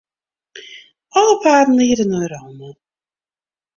Alle paden liede nei Rome.